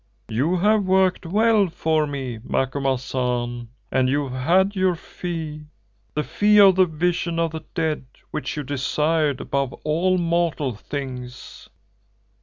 You have worked well for me, Macumazahn, and you have had your fee, the fee of the vision of the dead which you desired above all mortal things."